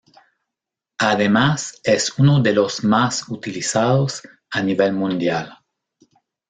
Además, es uno de los más utilizados a nivel mundial.